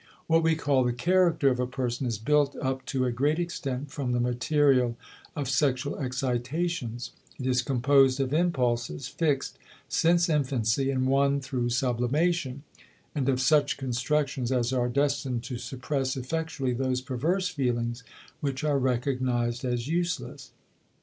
What we call the character of a person is built up to a great extent from the material of sexual excitations; it is composed of impulses fixed since infancy and won through sublimation, and of such constructions as are destined to suppress effectually those perverse feelings which are recognized as useless.